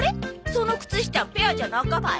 その靴下ペアじゃなかばい。